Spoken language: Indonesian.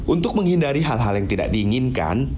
untuk menghindari hal hal yang tidak diinginkan